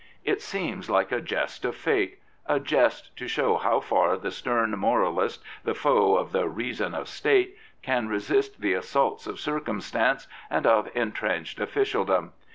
It seems like a jest of fate — a jest to show how far the stern moralist, the foe of the " reason of State," can resist the assaults of circum stance and of entrenched officialdom.